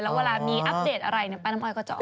แล้วเวลามีอัปเดตอะไรป้าน้ำพลอยก็จะออก